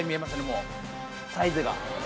もうサイズが。